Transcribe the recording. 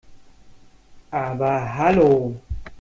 Aber hallo!